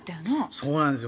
そうなんですよ。